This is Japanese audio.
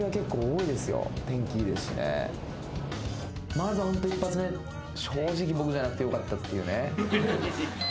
まずは一発目正直僕じゃなくてよかったっていうね。